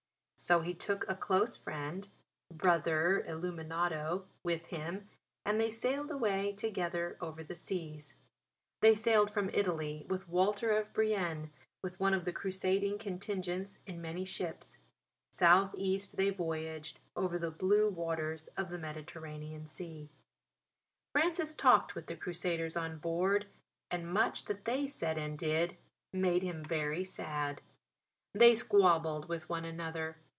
So he took a close friend, Brother Illuminato, with him and they sailed away together over the seas. They sailed from Italy with Walter of Brienne, with one of the Crusading contingents in many ships. Southeast they voyaged over the blue waters of the Mediterranean Sea. Francis talked with the Crusaders on board; and much that they said and did made him very sad. They squabbled with one another.